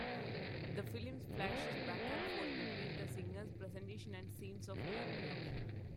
The film flashes back and forth between the singer's presentation and scenes of Mongryong.